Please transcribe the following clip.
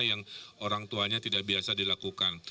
yang orang tuanya tidak biasa dilakukan